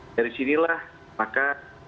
dari sinilah maka